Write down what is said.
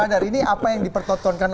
mas radar ini apa yang dipertontonkan